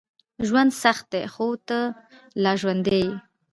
ژوند سخت ده، خو ته لا ژوندی یې.